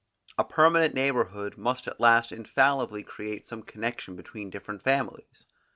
A permanent neighborhood must at last infallibly create some connection between different families.